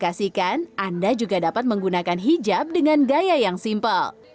anda juga dapat menggunakan hijab dengan gaya yang simpel